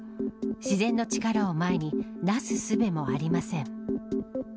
自然の力を前になすすべもありません。